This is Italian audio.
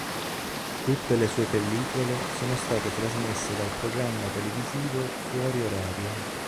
Tutte le sue pellicole sono state trasmesse dal programma televisivo "Fuori orario.